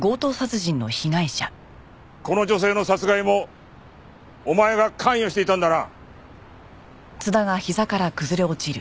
この女性の殺害もお前が関与していたんだな。